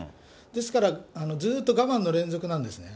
ですから、ずっと我慢の連続なんですね。